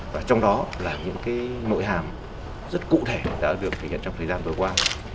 và trong đó là những nội hàm rất cụ thể đã được thể hiện trong thời gian vừa qua